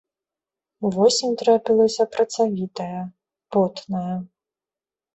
Восень трапілася працавітая, потная.